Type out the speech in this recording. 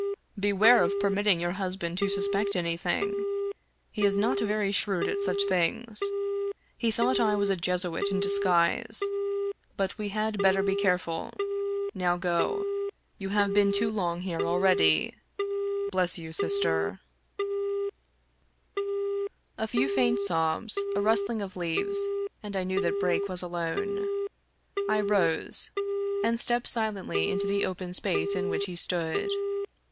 Beware of per mitting your husband to suspect anything. He is not very, shrewd at such things — he thought I was a Jesuit in dis guise — ^but we had better be careful. Now go. You have been too long here already. Bless you, sister." 66 Fitzjames O'Brien A few faint sobs, a rustling of leaves, and I knew that Brake was alone. I rose, and stepped silently into the open space in which he stood.